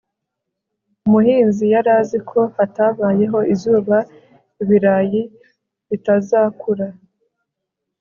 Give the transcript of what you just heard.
umuhinzi yari azi ko hatabayeho izuba ibirayi bitazakura